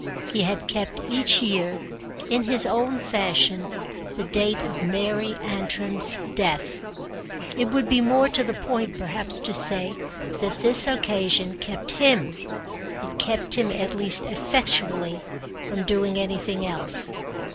He had kept each year in his own fashion the date of Mary Antrim's death. It would be more to the point perhaps to say that this occasion kept him: it kept him at least effectually from doing anything else.